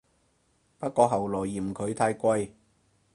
不過後來嫌佢太貴